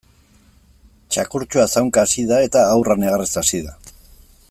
Txakurtxoa zaunka hasi da eta haurra negarrez hasi da.